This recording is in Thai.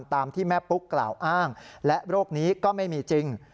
ตามที่แม่ปุ๊กกล่าวอ้างและโรคนี้ก็ไม่มีจริง